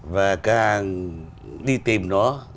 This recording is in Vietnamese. và càng đi tìm nó